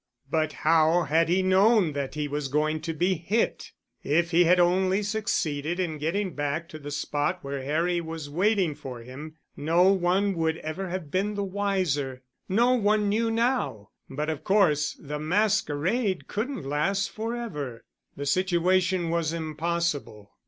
But how had he known that he was going to be hit? If he had only succeeded in getting back to the spot where Harry was waiting for him, no one would ever have been the wiser. No one knew now, but of course the masquerade couldn't last forever. The situation was impossible.